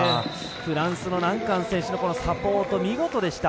フランスのナンカン選手のサポート見事でした。